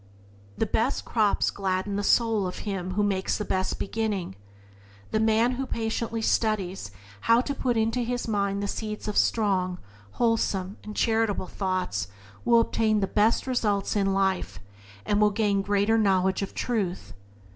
The best crops gladden the soul of him who makes the best beginning. The man who most patiently studies how to put into his mind the seeds of strong, wholesome, and charitable thoughts, will obtain the best results in life, and will gain greater knowledge of truth.